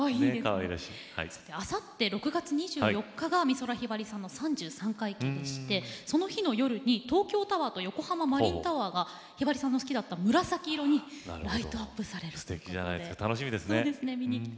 あさって６月２４日は美空ひばりさんの三十三回忌でしてその日の夜に東京タワーと横浜マリンタワーが美空ひばりさんの好きだった紫色にライトアップされるそうです。